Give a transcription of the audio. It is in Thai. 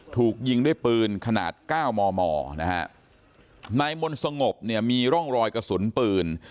ถูกยิงด้วยปืนขนาดเก้ามอมอนะฮะนายมนต์สงบเนี่ยมีร่องรอยกระสุนปืน